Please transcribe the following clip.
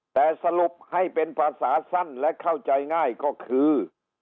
แต่สรุปให้เป็นภาษาสั้นและเข้าใจง่ายก็คือ